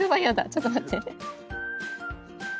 ちょっと待って。